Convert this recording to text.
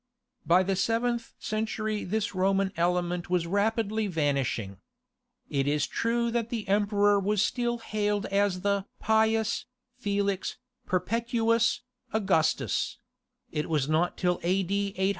By the seventh century this Roman element was rapidly vanishing. It is true that the Emperor was still hailed as the "Pius, Felix, Perpetuus, Augustus": it was not till about A.